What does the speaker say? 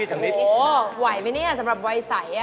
ไหวไหมเนี่ยสำหรับวัยใส